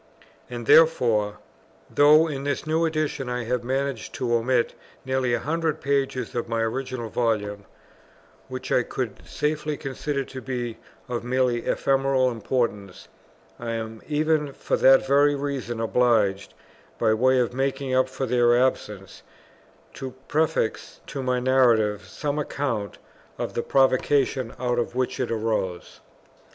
And therefore, though in this new Edition I have managed to omit nearly a hundred pages of my original Volume, which I could safely consider to be of merely ephemeral importance, I am even for that very reason obliged, by way of making up for their absence, to prefix to my Narrative some account of the provocation out of which it arose.